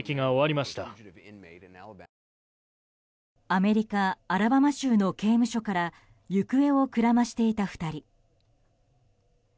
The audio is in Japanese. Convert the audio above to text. アメリカ・アラバマ州の刑務所から行方をくらましていた２人。